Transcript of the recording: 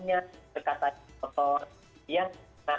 dia tidak mengingatkan dari perkataan yang lain